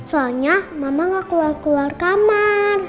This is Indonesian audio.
soalnya mama gak keluar keluar kamar